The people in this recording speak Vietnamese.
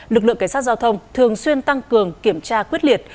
lực lượng cảnh sát giao thông thường xuyên tăng cường kiểm tra quyết liệt